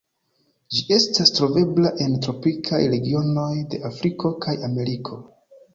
Ĝi estas trovebla en tropikaj regionoj de Afriko kaj Ameriko.